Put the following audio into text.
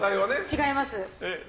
違います。